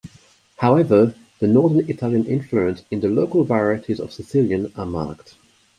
However, the Northern Italian influence in the local varieties of Sicilian are marked.